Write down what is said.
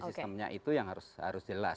sistemnya itu yang harus jelas